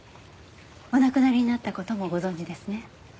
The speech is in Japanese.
お亡くなりになった事もご存じですね？